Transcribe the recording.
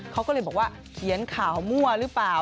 เขาก็เลยบอกว่าเขียนข่าวมั่วหรือเปล่า